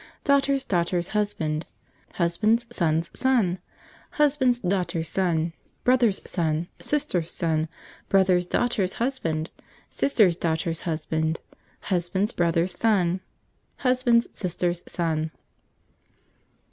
Daughter's Daughter's Husband. Husband's Son's Son. Husband's Daughter's Son .. Brother's Son. Sister's Son. Brother's Daughter's Husband.. Sister's Daughter's Husband. Husband's Brother's Son. Husband's Sister's Son."